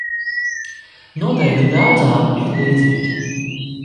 Noteikti daudzām ir līdzīgi.